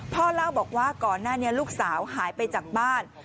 พ่อเล่าบอกว่าก่อนหน้านี้ลูกสาวหายไปจากบ้าน